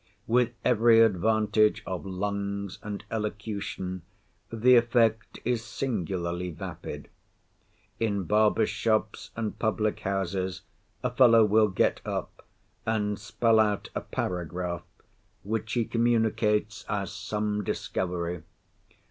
With every advantage of lungs and elocution, the effect is singularly vapid. In barbers' shops and public houses a fellow will get up, and spell out a paragraph, which he communicates as some discovery.